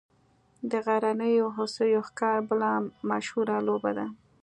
د غرنیو هوسیو ښکار بله مشهوره لوبه ده